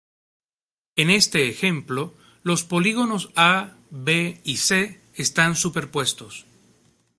En este ejemplo, los polígonos A, B y C están superpuestos.